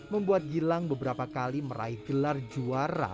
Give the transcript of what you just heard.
membuat gilang beberapa kali meraih gelar juara